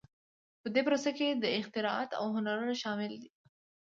په دې پروسه کې اختراعات او هنرونه شامل دي.